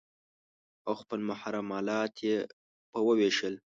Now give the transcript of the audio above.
او خپل محرم الات يې په وويشتل.